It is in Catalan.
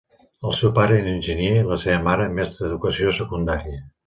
El seu pare era enginyer i la seva mare, mestra d'educació secundària.